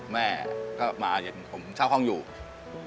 แยกไปมีครอบครัวไปแล้ว